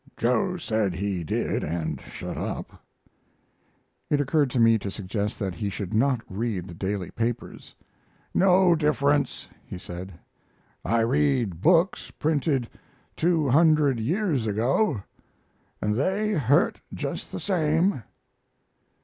Joe said he did, and shut up." It occurred to me to suggest that he should not read the daily papers. "No difference," he said. "I read books printed two hundred years ago, and they hurt just the same."